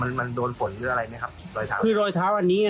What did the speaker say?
และก็คือว่าถึงแม้วันนี้จะพบรอยเท้าเสียแป้งจริงไหม